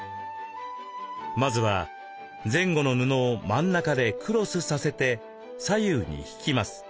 まずは前後の布を真ん中でクロスさせて左右に引きます。